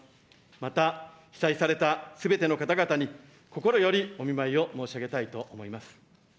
また被災されたすべての方々に、心よりお見舞いを申し上げたいと思います。